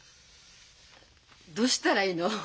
どうしたらいいの？